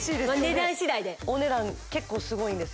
値段次第でお値段結構すごいんです